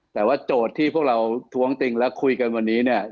แต่ว่าโจทย์ที่ทุกส่วนพี่ทุกคนเองคุยกันวันนี้เนี่ย